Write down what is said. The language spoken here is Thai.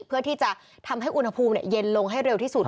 เพื่อที่จะทำให้อุณหภูมิเย็นลงให้เร็วที่สุด